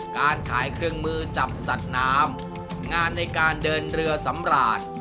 การขายเครื่องมือจับสัตว์น้ำงานในการเดินเรือสำราญ